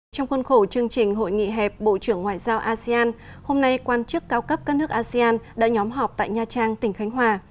trong khuôn khổ chương trình hội nghị hẹp bộ trưởng ngoại giao asean hôm nay quan chức cao cấp các nước asean đã nhóm họp tại nha trang tỉnh khánh hòa